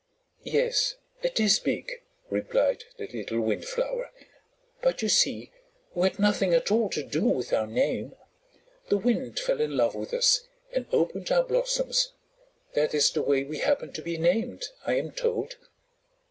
"Yes, it is big," replied the little Windflower, "but you see we had nothing at all to do with our name; the Wind fell in love with us and opened our blossoms that is the way we happened to be named, I am told."